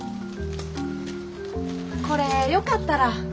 これよかったら。